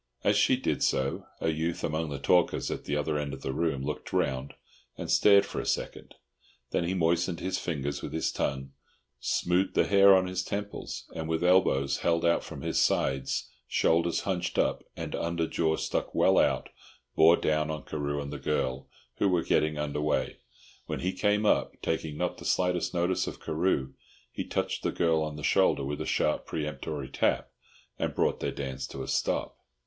As she did so, a youth among the talkers at the other end of the room looked round, and stared for a second. Then he moistened his fingers with his tongue, smoothed the hair on his temples, and with elbows held out from his sides, shoulders hunched up, and under jaw stuck well out, bore down on Carew and the girl, who were getting under way when he came up. Taking not the slightest notice of Carew, he touched the girl on the shoulder with a sharp peremptory tap, and brought their dance to a stop.